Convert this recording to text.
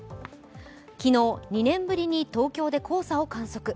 昨日、２年ぶりに東京で黄砂を観測。